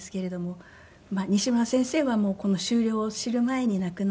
西村先生はもう終了を知る前に亡くなったんで。